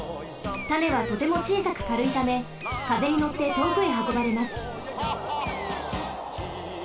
種はとてもちいさくかるいためかぜにのってとおくへはこばれます。